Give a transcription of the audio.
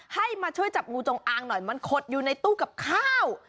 ให้มาช่วยจับงูจงอางหน่อยมันขดอยู่ในตู้กับข้าว